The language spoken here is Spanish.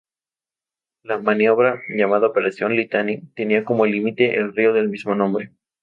La maniobra, llamada Operación Litani, tenía como límite el río del mismo nombre.